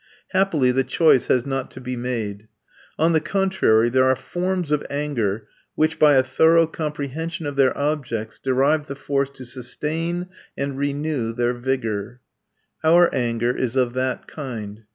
Happily, the choice has not to be made. On the contrary, there are forms of anger which, by a thorough comprehension of their objects, derive the force to sustain and renew their vigour. Our anger is of that kind.